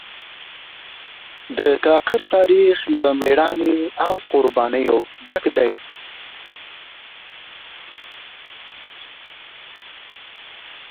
د کاکړ تاریخ له مېړانې او قربانیو ډک دی.